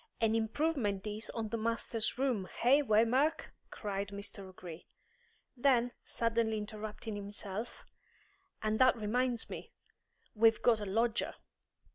"An improvement this on the masters' room, eh, Waymark?" cried Mr. O'Gree. Then, suddenly interrupting himself, "And that reminds me! We've got a lodger."